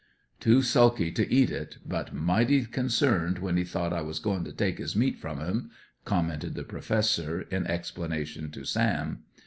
"Too sulky to eat it, but mighty concerned when he thought I was goin' to take his meat from him," commented the Professor, in explanation to Sam.